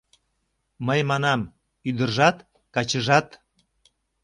Мый манам: ӱдыржат, качыжат